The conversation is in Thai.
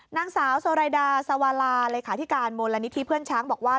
นางสาวโซไรดาสวาลาเลขาธิการมูลนิธิเพื่อนช้างบอกว่า